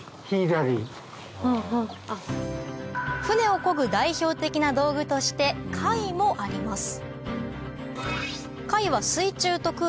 舟を漕ぐ代表的な道具として櫂もあります